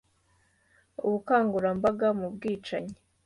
ubukangurambaga mu bwicanyi